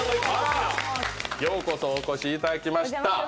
ようこそお越しいただきました。